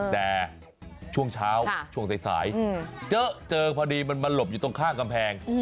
แต่ช่วงเช้าช่วงสายเจอพอดีมันมาหลบอยู่ตรงข้างกำแพง